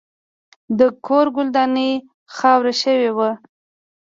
د کور ګلداني خاوره شوې وه.